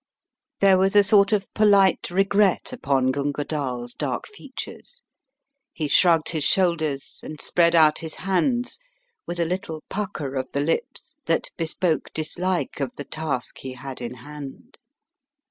There was a sort of polite regret upon Gunga Dall's dark features. He shrugged his shoulders and spread out his hands, with a little pucker of the lips that bespoke dislike of the task he had in hand.